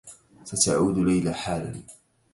ستعود ليلى حالا.